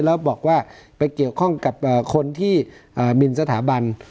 แล้วบอกว่าไปเกี่ยวข้องกับคนที่มินสถาบัน